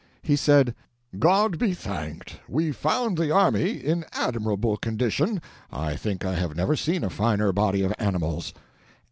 He said: "God be thanked, we found the army in admirable condition I think I have never seen a finer body of animals."